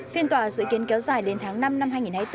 phiên tòa dự kiến kéo dài đến tháng năm năm hai nghìn hai mươi bốn